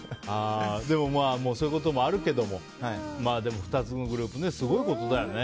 そういうこともあるけども２つのグループねすごいことだよね。